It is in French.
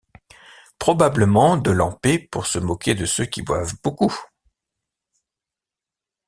Probablement de lamper pour se moquer de ceux qui boivent beaucoup.